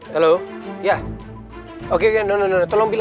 ya aja gua jangan langsung buat